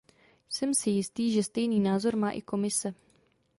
Jsem si jistý, že stejný názor má i Komise.